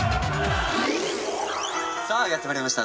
さあやってまいりました